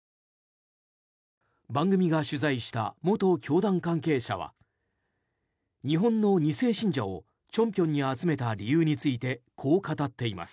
番組が取材した元教団関係者は日本の２世信者を清平に集めた理由についてこう語っています。